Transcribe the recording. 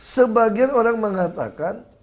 sebagian orang mengatakan